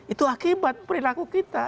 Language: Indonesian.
itu akibat perilaku kita